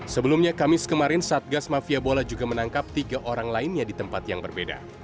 sebelumnya kamis kemarin satgas mafia bola juga menangkap tiga orang lainnya di tempat yang berbeda